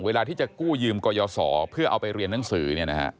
เวลาที่จะกู้ยืมกรยศเพื่อเอาไปเรียนหนังสือเนี่ยนะฮะ